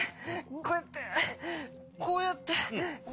こうやってこうやって。